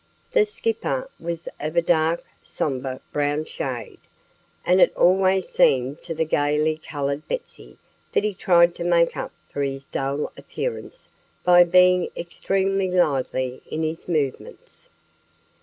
The Skipper was of a dark, somber brown shade. And it always seemed to the gaily colored Betsy that he tried to make up for his dull appearance by being extremely lively in his movements.